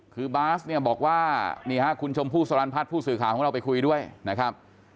คือบาสเนี่ยบอกว่านี่ฮะคุณชมพู่สรรพัฒน์ผู้สื่อข่าวของเราไปคุยด้วยนะครับ